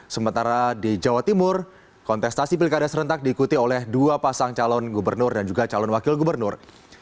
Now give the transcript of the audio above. sementara di jawa timur kontestasi pilkada serentak diikuti oleh dua pasang calon gubernur dan juga calon wakil gubernur